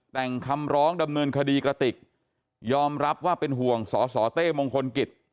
แต่งคำร้องดำเนินคดีกระติกยอมรับว่าเป็นห่วงสสเต้มงคลกิจ